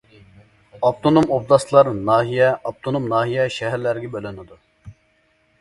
ئاپتونوم ئوبلاستلار ناھىيە، ئاپتونوم ناھىيە، شەھەرلەرگە بۆلۈنىدۇ.